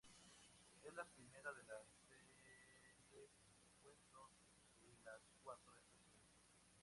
Es la primera de la serie "Cuentos de las cuatro estaciones".